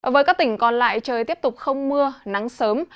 với các tỉnh còn lại trời tiếp tục không mưa nắng sớm